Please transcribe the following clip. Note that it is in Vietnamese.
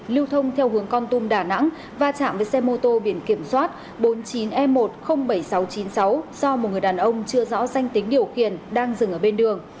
lưu thông theo hướng con tum đà nẵng va chạm với xe mô tô biển kiểm soát bốn mươi chín e một trăm linh bảy nghìn sáu trăm chín mươi sáu do một người đàn ông chưa rõ danh tính điều khiển đang dừng ở bên đường